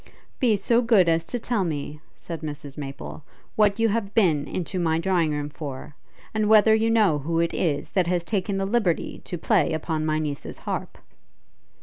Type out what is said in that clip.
'Be so good as to tell me,' said Mrs Maple, 'what you have been into my drawing room for? and whether you know who it is, that has taken the liberty to play upon my niece's harp?'